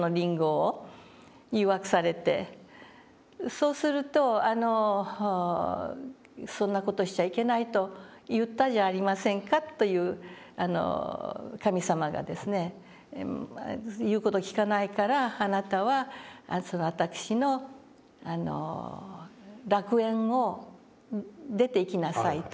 そうすると「そんな事をしちゃいけないと言ったじゃありませんか」と言う神様がですね「言う事を聞かないからあなたは私の楽園を出ていきなさい」と。